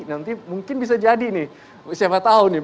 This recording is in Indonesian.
nanti mungkin bisa jadi nih siapa tahu nih